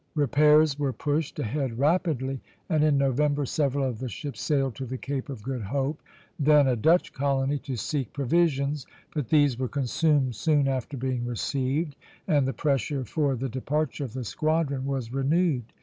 Repairs were pushed ahead rapidly, and in November several of the ships sailed to the Cape of Good Hope, then a Dutch colony, to seek provisions; but these were consumed soon after being received, and the pressure for the departure of the squadron was renewed.